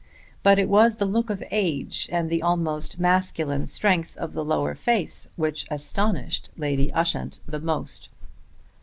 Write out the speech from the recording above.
But it was the look of age, and the almost masculine strength of the lower face which astonished Lady Ushant the most.